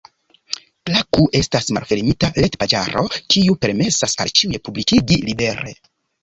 Klaku estas malfermita retpaĝaro, kiu permesas al ĉiuj publikigi libere.